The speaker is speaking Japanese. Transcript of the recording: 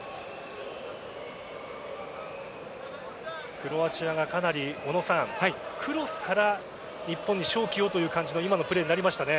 クロアチアがかなりクロスから日本に勝機をという感じの今のプレーになりましたね。